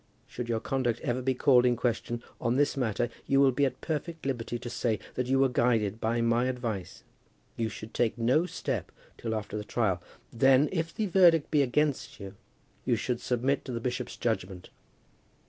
Should your conduct ever be called in question on this matter you will be at perfect liberty to say that you were guided by my advice. You should take no step till after the trial. Then, if the verdict be against you, you should submit to the bishop's judgment.